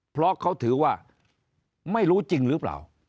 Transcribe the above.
เพราะเขาถือว่าไม่รู้จริงหรือเปล่า